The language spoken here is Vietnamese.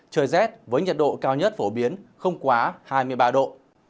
trời rét với nhiệt độ cao nhất phổ biến không quá hai mươi ba độ